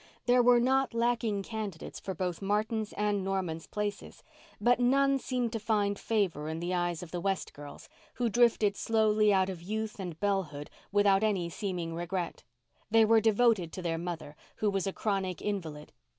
There were not lacking candidates for both Martin's and Norman's places, but none seemed to find favour in the eyes of the West girls, who drifted slowly out of youth and bellehood without any seeming regret. They were devoted to their mother, who was a chronic invalid.